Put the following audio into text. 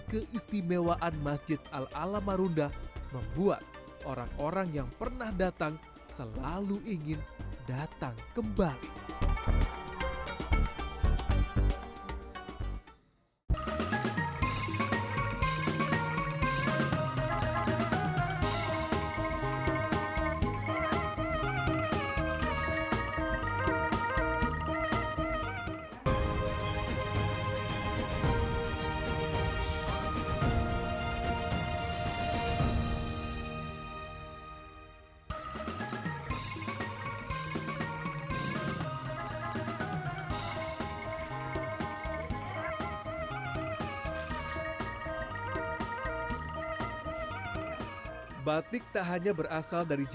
keistimewaan masjid al alamarunda membuat orang orang yang pernah datang selalu ingin datang kembali